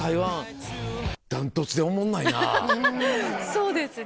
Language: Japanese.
そうですね。